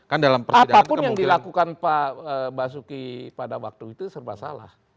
apapun yang dilakukan pak basuki pada waktu itu serba salah